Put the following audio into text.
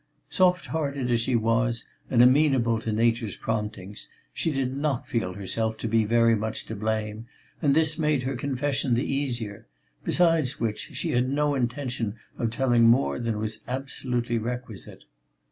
Soft hearted as she was and amenable to nature's promptings, she did not feel herself to be very much to blame, and this made her confession the easier; besides which, she had no intention of telling more than was absolutely requisite.